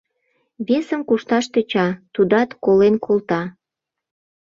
Весым кушташ тӧча, тудат колен колта.